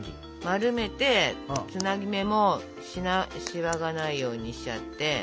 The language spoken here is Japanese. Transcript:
丸めてつなぎ目もシワがないようにしちゃって。